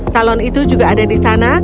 salon itu juga ada di sana